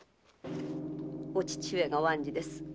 お父上がお案じです。